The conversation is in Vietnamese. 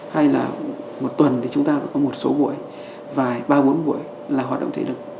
hay là một tuần thì chúng ta phải có một số buổi vài ba bốn buổi là hoạt động thể lực